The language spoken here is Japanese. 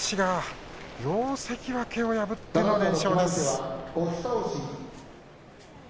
両関脇を破っての連勝です。